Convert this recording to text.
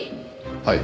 はい。